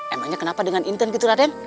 emangnya kenapa dengan inton gitu rade